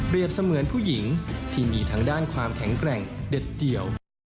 เสมือนผู้หญิงที่มีทางด้านความแข็งแกร่งเด็ดเดี่ยว